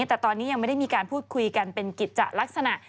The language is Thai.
แต่ตอนนี้ยังไม่ได้มีการพูดคุยกันเป็นกิจจะลักษณะ